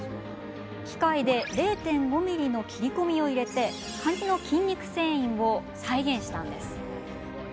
機械で０．５ｍｍの切り込みを入れカニの筋肉繊維を再現したんです。